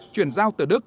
truyền giao từ đức